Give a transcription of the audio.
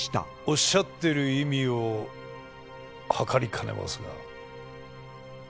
おっしゃってる意味を計りかねますが。